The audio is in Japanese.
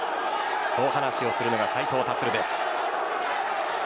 そう話しをするのが斉藤立です。